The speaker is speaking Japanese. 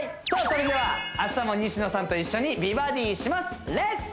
それでは明日も西野さんと一緒に「美バディ」します「レッツ！」